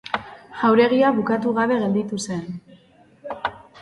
Jauregia bukatu gabe gelditu zen.